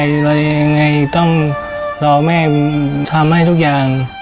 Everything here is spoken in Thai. อะไรยังไงต้องรอแม่ทำให้ทุกอย่าง